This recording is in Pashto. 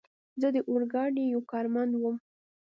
زه د اورګاډي یو کارمند ووم.